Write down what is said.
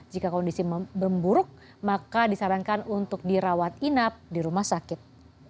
jika kondisi memburuk maka disarankan untuk dirawat inap di rumah sakit